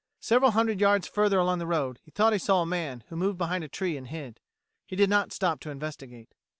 Several hundred yards further along the road, he thought he saw a man who moved behind a tree and hid. He did not stop to investigate.